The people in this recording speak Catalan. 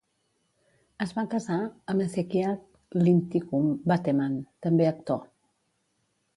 Es va casar amb Hezekiah Linthicum Bateman, també actor.